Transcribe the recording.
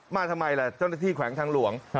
มาทำไมล่ะเจ้าหน้าที่แขวงทางหลวง